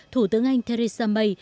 thủ tướng anh theresa may